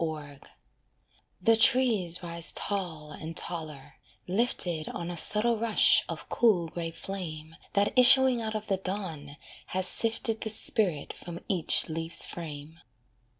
COROT The trees rise tall and taller, lifted On a subtle rush of cool grey flame That issuing out of the dawn has sifted The spirit from each leaf's frame.